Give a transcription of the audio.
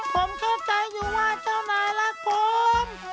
ผมเข้าใจอยู่ว่าเจ้านายรักผม